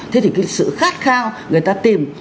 thế thì cái sự khát khao người ta tìm